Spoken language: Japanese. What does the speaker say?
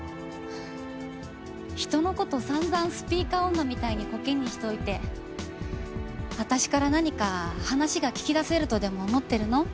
人の事散々スピーカー女みたいにコケにしておいて私から何か話が聞き出せるとでも思ってるの？